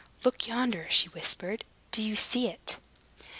"Look yonder," she whispered. "Do you see it?"